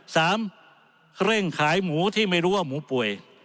เร่งขายหมูที่ไม่รู้ว่าหมูป่วย